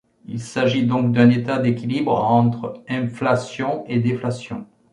Il s’agit donc d’un état d’équilibre entre inflation et déflation.